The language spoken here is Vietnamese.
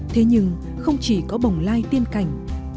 thế nhưng không chỉ có bồng lai tiên cảnh